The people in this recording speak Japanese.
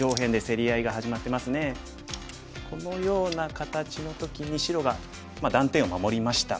このような形の時に白が断点を守りました。